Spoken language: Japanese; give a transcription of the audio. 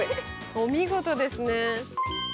お見事ですね。